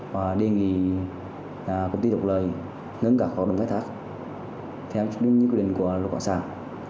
và đề nghị công ty đột lời ngân cả khóa đồng khai thác theo quy định của luật khóa sản